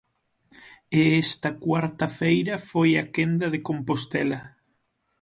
E esta cuarta feira foi a quenda de Compostela.